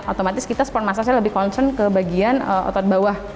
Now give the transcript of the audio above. otomatis kita spon massage nya lebih concern ke bagian otot bawah